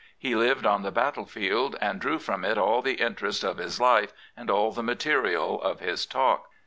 He lived on the battle field and drew from it all the interest of his life and all the material of his talk.